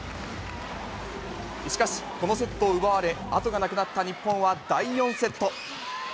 しかし、このセットを奪われ、後がなくなった日本は第４セット。